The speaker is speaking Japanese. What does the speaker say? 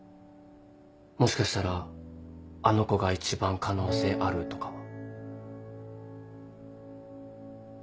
もしかしたらあの子が一番可能性あるとかは。